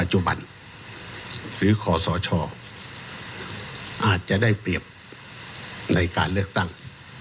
จุบันหรือขอสชอาจจะได้เปรียบในการเลือกตั้ง